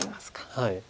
はい。